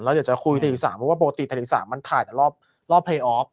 แล้วเดี๋ยวจะคุยทีสามเพราะว่าปกติทีสามมันถ่ายแต่รอบรอบพลีออฟ